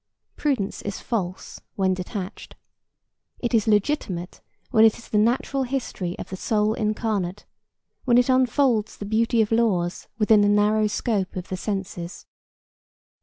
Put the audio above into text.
Prudence is false when detached. It is legitimate when it is the Natural History of the soul incarnate, when it unfolds the beauty of laws within the narrow scope of the senses.